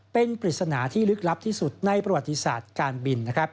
เป็นปริศนาที่ลึกลับที่สุดในประวัติศาสตร์การบิน